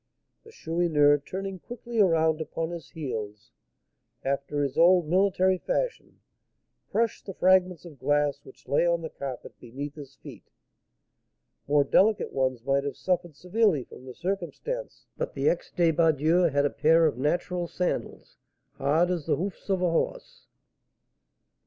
The Chourineur, turning quickly around upon his heels, after his old military fashion, crushed the fragments of glass which lay on the carpet beneath his feet. More delicate ones might have suffered severely from the circumstance, but the ex débardeur had a pair of natural sandals, hard as the hoofs of a horse.